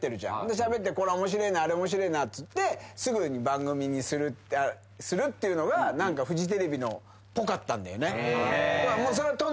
しゃべってこれ面白えなあれ面白えなっつってすぐに番組にするっていうのがフジテレビっぽかったんだよね。